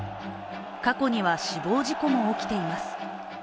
過去には死亡事故も起きています。